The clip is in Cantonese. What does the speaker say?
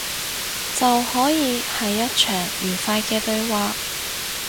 就可以係一場愉快嘅對話